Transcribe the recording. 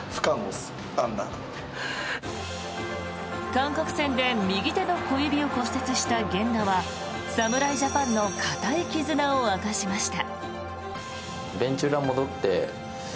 韓国戦で右手の小指を骨折した源田は侍ジャパンの固い絆を明かしました。